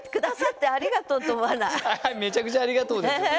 めちゃくちゃありがとうですよ。